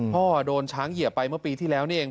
พ่อโดนช้างเหยียบไปเมื่อปีที่แล้วนี่เอง